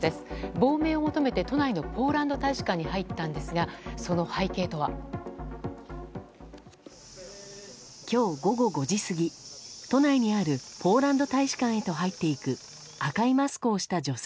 亡命を求めて都内のポーランド大使館に入ったんですがその背景とは。今日、午後５時過ぎ都内にあるポーランド大使館へと入っていく赤いマスクをした女性。